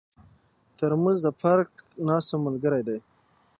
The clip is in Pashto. ترموز د پارک ناستو ملګری دی.